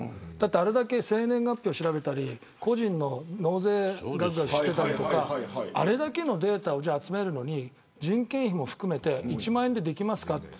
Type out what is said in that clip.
あれだけ生年月日を調べたり個人の納税額を知ってたりとかあれだけのデータを集めるのに人件費も含めて１万円でできますか。